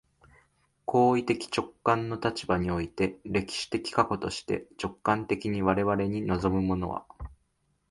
行為的直観の立場において、歴史的過去として、直観的に我々に臨むものは、